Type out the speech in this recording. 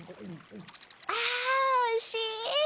あおいしい！